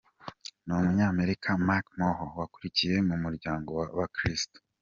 n'umunyamerika Mark Mohr wakuriye mu muryango w'abakristo.